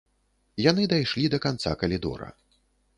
Яны дайшлі да канца калідора.